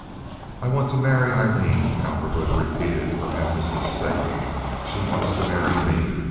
"I want to marry Aileen," Cowperwood repeated, for emphasis' sake. "She wants to marry me.